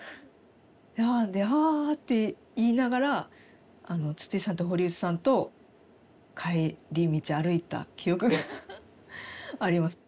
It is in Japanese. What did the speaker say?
「はぁ」って言いながら筒井さんと堀内さんと帰り道歩いた記憶があります。